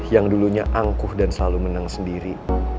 yang dulunya angkuh dan selalu menang sendiri